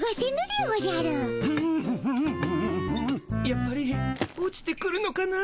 やっぱり落ちてくるのかな。